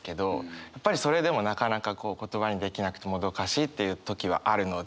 やっぱりそれでもなかなか言葉にできなくてもどかしいっていう時はあるので。